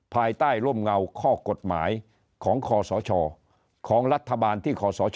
ภายใต้ร่มเงาข้อกฎหมายของคอสชของรัฐบาลที่ขอสช